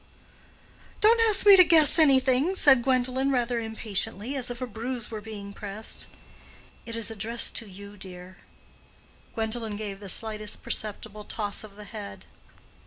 "Don't ask me to guess anything," said Gwendolen, rather impatiently, as if a bruise were being pressed. "It is addressed to you, dear." Gwendolen gave the slightest perceptible toss of the head.